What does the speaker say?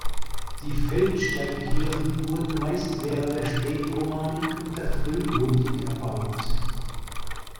Die Feldsteinkirchen wurden meist während der Spätromanik und der Frühgotik erbaut.